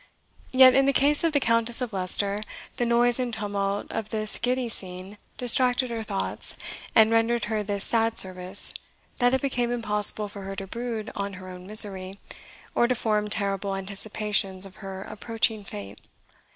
Yet, in the case of the Countess of Leicester, the noise and tumult of this giddy scene distracted her thoughts, and rendered her this sad service, that it became impossible for her to brood on her own misery, or to form terrible anticipations of her approaching fate.